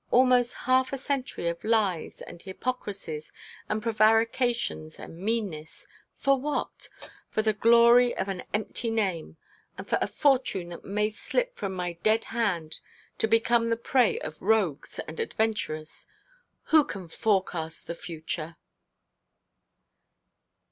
Almost half a century of lies and hypocricies and prevarications and meannesses! For what? For the glory of an empty name; and for a fortune that may slip from my dead hand to become the prey of rogues and adventurers. Who can forecast the future?'